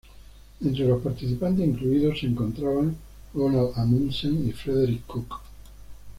Entre los participantes incluidos se encontraban Roald Amundsen y Frederick Cook.